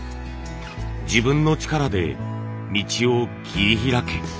「自分の力で道を切り開け」。